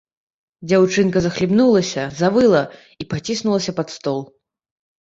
Дзяўчынка захлібнулася, завыла і паціснулася пад стол.